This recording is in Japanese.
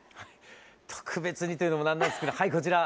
特別にというのも何なんですけどはいこちら！